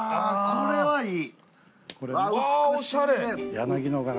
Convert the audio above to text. これはいい。